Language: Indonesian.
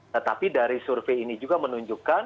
tetapi dari survei ini juga menunjukkan